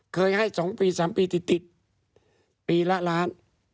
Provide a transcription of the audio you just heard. เคยให้สองปีสามปีติดปีละล้าน